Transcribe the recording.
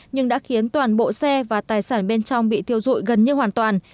nhưng đã khiến toàn bộ xe và tài sản bên trong bị thiêu dụi gần như hoàn toàn